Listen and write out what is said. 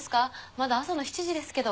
まだ朝の７時ですけど。